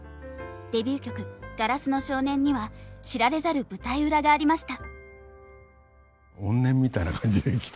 デビュー曲「硝子の少年」には知られざる舞台裏がありました。